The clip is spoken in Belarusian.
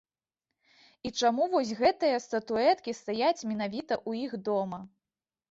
І чаму вось гэтыя статуэткі стаяць менавіта ў іх дома.